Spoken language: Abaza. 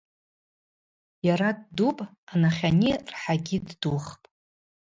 Йара ддупӏ, анахьани рахӏагьи ддухпӏ.